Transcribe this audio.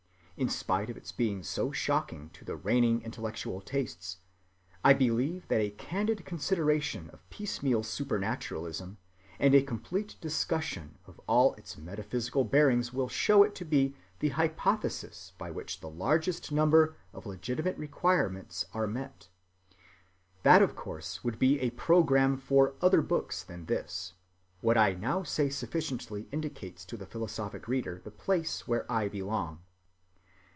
In spite of its being so shocking to the reigning intellectual tastes, I believe that a candid consideration of piecemeal supernaturalism and a complete discussion of all its metaphysical bearings will show it to be the hypothesis by which the largest number of legitimate requirements are met. That of course would be a program for other books than this; what I now say sufficiently indicates to the philosophic reader the place where I belong.